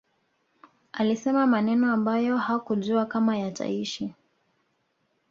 alisema maneno ambayo hakujua kama yataishi